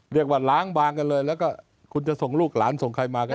เรียกว่าหลางบางกันเลยแล้วก็คุณจะส่งลูกหลานส่งใครมาก็ได้